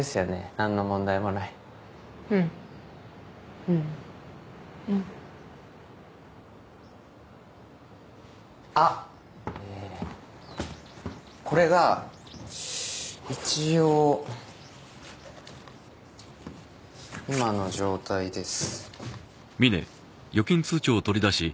なんの問題もないうんうんうんあっこれが一応今の状態です